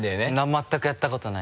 全くやったことない。